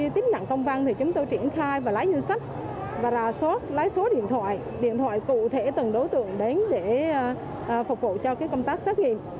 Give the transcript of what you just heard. tiếp nhận công văn thì chúng tôi triển khai và lấy nhân sách và rà soát lấy số điện thoại điện thoại cụ thể từng đối tượng đến để phục vụ cho công tác xét nghiệm